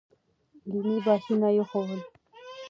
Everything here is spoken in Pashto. علمي بحثونه يې خوښول.